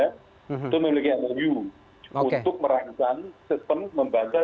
itu memiliki mou untuk meragukan sistem membagi